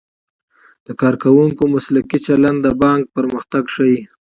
د کارکوونکو مسلکي چلند د بانک پرمختګ ښيي.